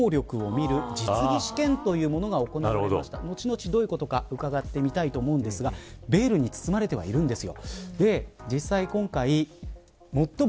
後々どういうことか伺ってみたいと思うんですがベールに包まれています。